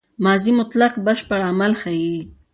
ماضي مطلق بشپړ عمل ښيي.